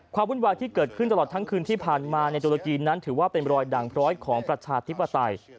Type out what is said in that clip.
วุ่นวายที่เกิดขึ้นตลอดทั้งคืนที่ผ่านมาในตุรกีนั้นถือว่าเป็นรอยดังพร้อยของประชาธิปไตย